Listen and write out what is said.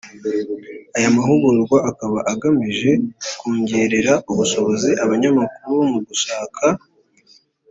Aya mahugurwa akaba agamije kwongerera ubushobozi abanyamakuru mu gushaka